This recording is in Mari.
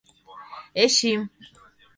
Эчи!..